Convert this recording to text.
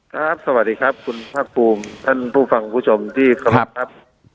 สวัสดีครับคุณภาคภูมิท่านผู้ฟังผู้ชมที่เคารพครับ